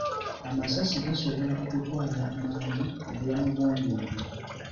Amasasi gasobola okutwala amangu obulamu bw'omuntu.